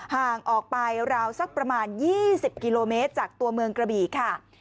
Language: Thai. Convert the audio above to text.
ห่างออกไปราวสักประมาณ๒๐กิโลเมตรจากตัวเมืองกระบี่ค่ะ